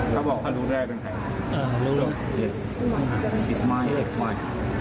เขาบอกเขารู้ได้เป็นใคร